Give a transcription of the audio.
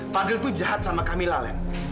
fadil tuh jahat sama camilla len